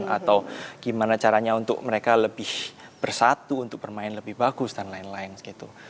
atau gimana caranya untuk mereka lebih bersatu untuk bermain lebih bagus dan lain lain gitu